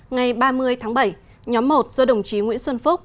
ngày ba mươi tháng bảy nhóm một do đồng chí nguyễn xuân phúc